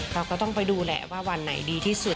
เราก็ต้องไปดูแหละว่าวันไหนดีที่สุด